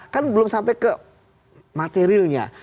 kan belum sampai ke materilnya